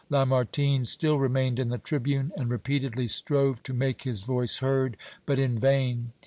Lamartine still remained in the tribune, and repeatedly strove to make his voice heard, but in vain.